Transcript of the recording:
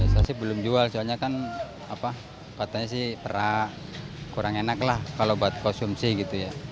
saya belum jual karena katanya perak kurang enak kalau buat konsumsi